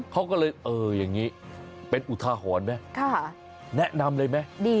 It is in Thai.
เขาก็เลยเอออย่างนี้เป็นอุทาหรณ์ไหมแนะนำเลยไหม